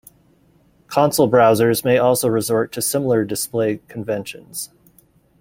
Console browsers may also resort to similar display conventions.